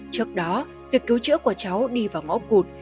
trước đó việc cứu chữa của cháu đi vào ngõ cụt